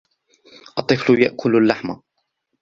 الطفل يأكُل اللحم.